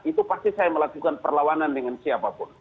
itu pasti saya melakukan perlawanan dengan siapapun